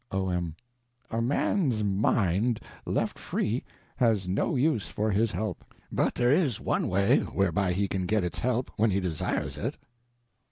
O.M. A man's mind, left free, has no use for his help. But there is one way whereby he can get its help when he desires it.